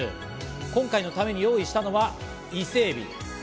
今回のために用意したのは伊勢海老。